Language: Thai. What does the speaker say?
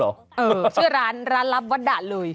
ชื่อร้านร้านลับวัดด่านเลย